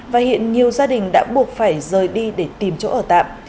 và hiện nhiều gia đình đã buộc phải rời đi để tìm chỗ ở tạm